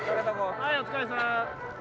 はいお疲れさん。